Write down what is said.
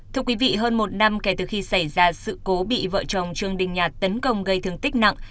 thưa quý vị hơn một năm kể từ khi xảy ra sự cố bị vợ chồng trương đình nhạt tấn công gây thương tích nặng